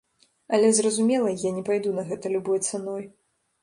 Але, зразумела, я не пайду на гэта любой цаной.